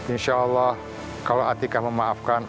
insyaallah kalau atika memaafkan